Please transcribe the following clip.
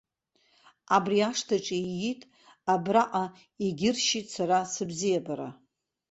Абри ашҭаҿы иит, абраҟа егьыршьит сара сыбзиабара.